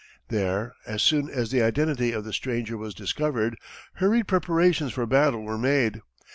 There, as soon as the identity of the stranger was discovered, hurried preparations for battle were made.